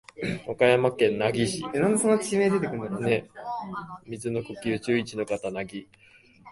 岡山県奈義町